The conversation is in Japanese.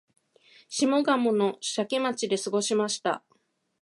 下鴨の社家町で過ごしました